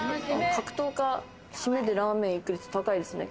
格闘家、締めでラーメン行く率、高いですね。